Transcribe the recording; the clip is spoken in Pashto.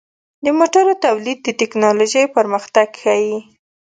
د موټرو تولید د ټکنالوژۍ پرمختګ ښيي.